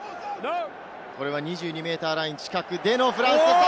これは２２ｍライン近くでのフランス。